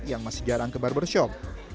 yang masih jarang ke barbershop